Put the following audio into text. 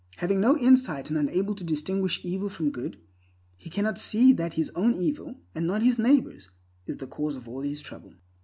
Having no insight and unable to distinguish evil from good, he cannot see that his own evil, and not his neighbor's, is the cause of all his trouble.